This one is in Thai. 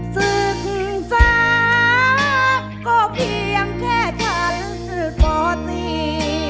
ศึกษาก็เพียงแค่ฉันก็ตี